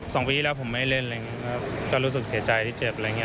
สองปีที่แล้วผมไม่เล่นอะไรอย่างเงี้ครับก็รู้สึกเสียใจที่เจ็บอะไรอย่างเง